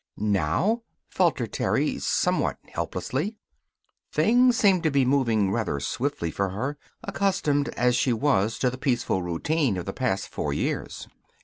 "Now?" faltered Terry, somewhat helplessly. Things seemed to be moving rather swiftly for her, accustomed as she was to the peaceful routine of the past four years.